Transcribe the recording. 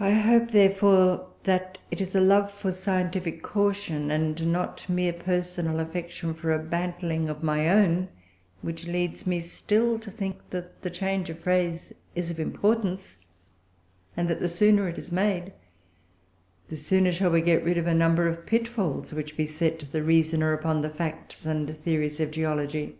I hope, therefore, that it is a love for scientific caution, and not mere personal affection for a bantling of my own, which leads me still to think that the change of phrase is of importance, and that the sooner it is made, the sooner shall we get rid of a number of pitfalls which beset the reasoner upon the facts and theories of geology.